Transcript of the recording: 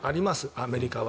アメリカは。